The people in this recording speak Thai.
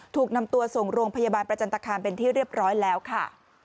ถูกนำตัวส่งโรงพยาบาลประจันตคามเป็นที่เรียบร้อยแล้วค่ะ